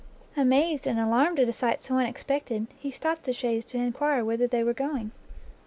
Amazed and alarmed at a sight so unexpected, he stopt the chaise to enquire whither they were going.